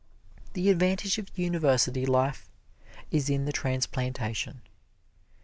The advantage of university life is in the transplantation.